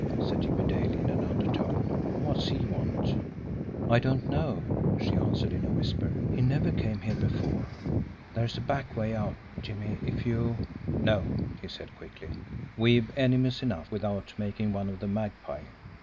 said Jimmie Dale, in an undertone. "What's he want?" "I don't know," she answered, in a whisper. "He never came here before. There's a back way out, Jimmie, if you " "No," he said quickly. "We've enemies enough, with out making one of the Magpie.